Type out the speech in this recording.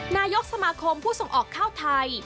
นายกสมาคมผู้ส่งออกข้าวไทย